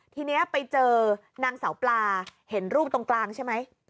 ทีนี้ไปเจอนางสาวปลาเห็นรูปตรงกลางใช่ไหม